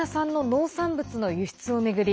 ウクライナ産の農産物の輸出を巡り